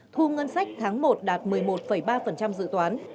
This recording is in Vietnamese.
thu ngân sách tháng một đạt một mươi một ba dự toán